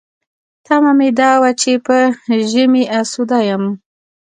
تمه مې دا وه چې په ژمي اسوده یم.